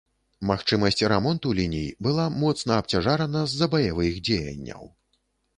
Магчымасць рамонту ліній была моцна абцяжарана з-за баявых дзеянняў.